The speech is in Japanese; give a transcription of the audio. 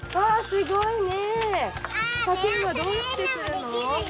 すごいね！